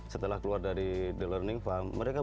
setelah keluar dari the learning farm mereka